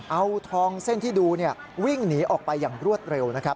เอาทองเส้นที่ดูวิ่งหนีออกไปอย่างรวดเร็วนะครับ